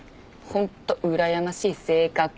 ホントうらやましい性格。